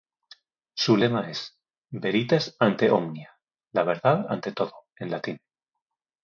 Su lema es "veritas ante omnia", "la verdad ante todo" en latín.